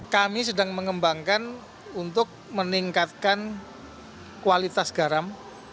kami sedang mengembangkan untuk meningkatkan kualitas garam